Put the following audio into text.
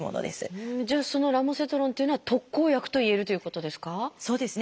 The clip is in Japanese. じゃあそのラモセトロンっていうのは特効薬といえるということですか？